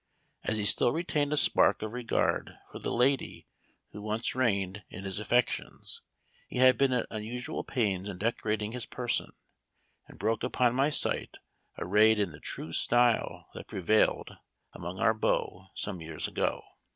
As he still, retained a spark of regard for the lady who once reigned in his affections, he had been at unusual pains in decorating his person, and broke upon my sight arrayed in the true style that prevailed among our beaux some years, ago.